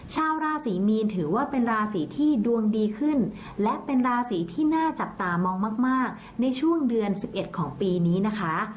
ชาวราศีมีนถือว่าเป็นราศีที่ดวงดีขึ้นและเป็นราศีที่น่าจับตามองมากในช่วงเดือน๑๑ของปีนี้นะคะ